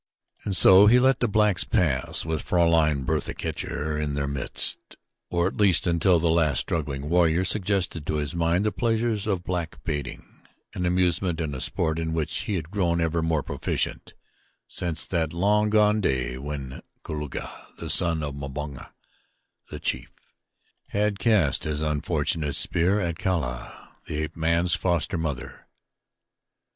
And so he let the blacks pass with Fraulein Bertha Kircher in their midst, or at least until the last straggling warrior suggested to his mind the pleasures of black baiting an amusement and a sport in which he had grown ever more proficient since that long gone day when Kulonga, the son of Mbonga, the chief, had cast his unfortunate spear at Kala, the ape man's foster mother.